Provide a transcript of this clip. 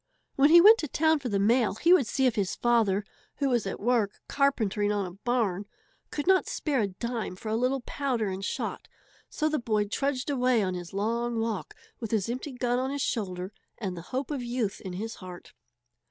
When he went to town for the mail he would see if his father, who was at work carpentering on a barn, could not spare a dime for a little powder and shot. So the boy trudged away on his long walk, with his empty gun on his shoulder and the hope of youth in his heart.